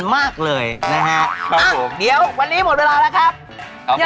เอาขอเอาขอ